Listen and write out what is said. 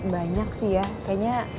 banyak sih ya kayaknya